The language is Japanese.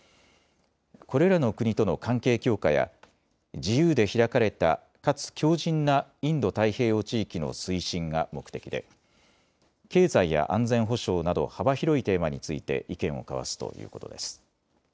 これらの国との関係強化や自由で開かれた、かつ強じんなインド太平洋地域の推進が目的で経済や安全保障など幅広いテーマについて意見を交わすということです。